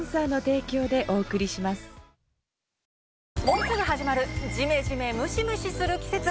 もうすぐ始まるジメジメムシムシする季節。